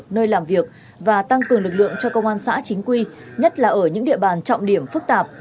nơi làm việc và tăng cường lực lượng cho công an xã chính quy nhất là ở những địa bàn trọng điểm phức tạp